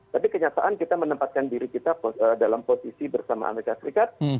tapi kenyataan kita menempatkan diri kita dalam posisi bersama amerika serikat